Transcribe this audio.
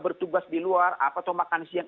bertugas di luar atau makan siang